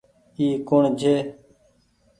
اي ڪوڻ ڇي۔